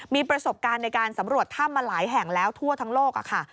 มีประสบการณ์ในการสำรวจถ้ำมาหลายแห่งแล้วทั่วทั้งโลกค่ะ